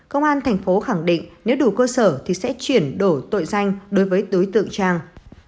công an tp hcm khẳng định nếu đủ cơ sở thì sẽ chuyển đổi tội danh đối với tối tượng trang